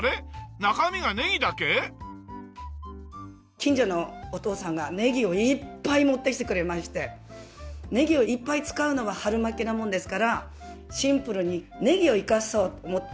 近所のお父さんがネギをいっぱい持ってきてくれましてネギをいっぱい使うのは春巻きなもんですからシンプルにネギを生かそうと思って。